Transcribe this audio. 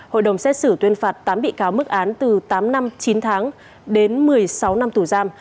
hội đồng xét xử tuyên phạt tám bị cáo mức án từ tám năm chín tháng đến một mươi sáu năm tù giam